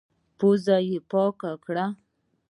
پزه يې پاکه کړه.